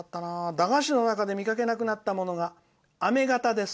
「駄菓子の中で見かけなくなったものがあめがたです」。